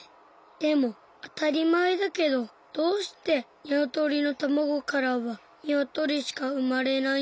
でもあたりまえだけどどうしてニワトリのたまごからはニワトリしかうまれないんだろう。